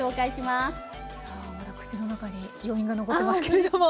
まだ口の中に余韻が残ってますけれども。